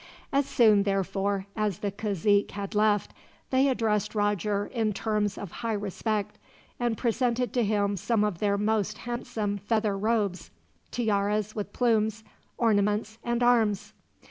As soon, therefore, as the cazique had left, they addressed Roger in terms of high respect, and presented to him some of their most handsome feather robes, tiaras with plumes, ornaments, and arms.